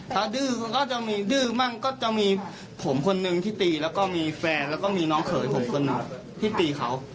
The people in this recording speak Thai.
ถ้าดื้อมันก็จะมีผมคนหนึ่งที่ตีแล้วก็มีแฟนแล้วก็มีน้องเขยผมคนหนึ่งที่ตีเขา